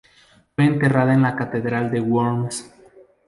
Fue enterrada en la catedral de Worms.